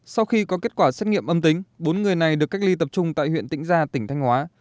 sau khi có kết quả xét nghiệm âm tính bốn người này được cách ly tập trung tại huyện tỉnh gia tỉnh thanh hóa